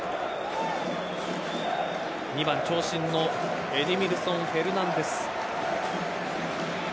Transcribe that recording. ２番長身のエディミルソン・フェルナンデス。